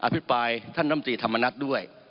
อธิบายท่านมตรีธรรมนัทด้วย